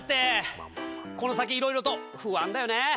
この先いろいろと不安だよね。